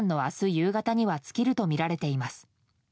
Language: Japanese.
夕方には尽きるとみられています。